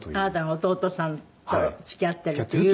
あなたの弟さんと付き合ってる。